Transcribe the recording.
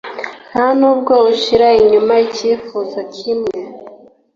Ntanubwo ushira inyuma icyifuzo kimwe?